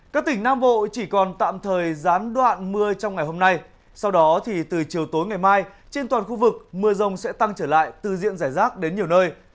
các tỉnh nam bộ chỉ còn tạm thời gián đoạn mưa trong ngày hôm nay sau đó thì từ chiều tối ngày mai trên toàn khu vực mưa rông sẽ tăng trở lại từ diện giải rác đến nhiều nơi